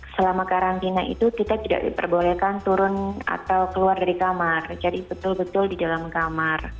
selama karantina itu kita tidak diperbolehkan turun atau keluar dari kamar jadi betul betul di dalam kamar